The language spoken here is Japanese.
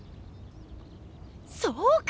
そうか！